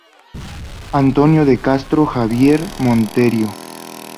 António de Castro Xavier Monteiro.